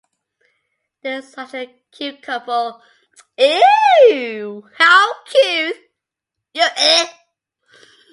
They're such a cute couple.